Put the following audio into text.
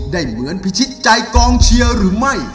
ได้เหมือนพิชิตใจกองเชียร์หรือไม่